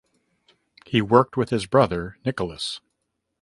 He worked with his brother Nicholas.